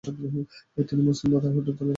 তিনি Muslim Brotherhood দলের প্রতিষ্ঠাতা।